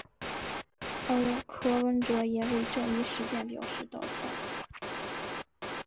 而柯文哲也为这一事件表示道歉。